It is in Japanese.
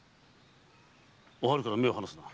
お春から目を離すな。